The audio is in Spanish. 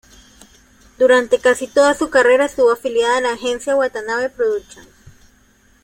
Durante casi toda su carrera estuvo afiliada a la agencia Watanabe Productions.